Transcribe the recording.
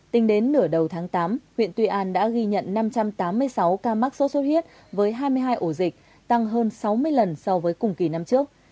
tính đến nửa đầu tháng tám huyện tuy an đã ghi nhận năm trăm tám mươi sáu ca mắc sốt xuất huyết với hai mươi hai ổ dịch tăng hơn sáu mươi lần so với cùng kỳ năm trước